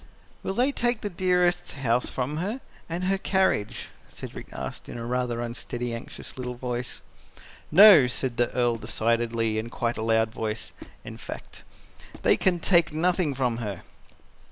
"Will they take Dearest's house from her and her carriage?" Cedric asked in a rather unsteady, anxious little voice. "NO!" said the Earl decidedly in quite a loud voice, in fact. "They can take nothing from her."